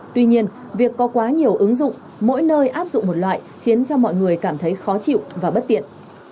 tuy nhiên việc có quá nhiều ứng dụng mỗi nơi áp dụng một loại khiến cho mọi người cảm thấy khó chịu và bất tiện